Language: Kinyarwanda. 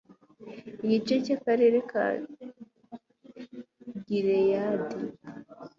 igice cy akarere ka gileyadi